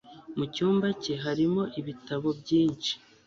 Mucyumba cye harimo ibitabo byinshi.